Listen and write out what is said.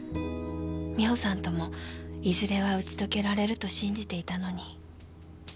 美帆さんともいずれは打ち解けられると信じていたのに。